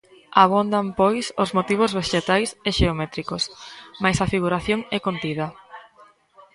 Abondan, pois, os motivos vexetais e xeométricos, mais a figuración é contida.